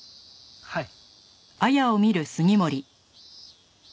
はい。